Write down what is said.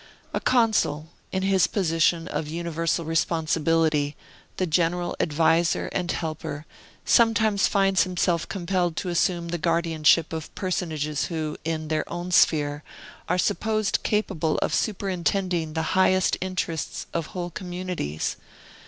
A Consul, in his position of universal responsibility, the general adviser and helper, sometimes finds himself compelled to assume the guardianship of personages who, in their own sphere, are supposed capable of superintending the highest interests of whole communities.